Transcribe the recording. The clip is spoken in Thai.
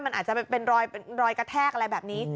มันอาจจะเป็นรอยกระแทกอะไรแบบนี้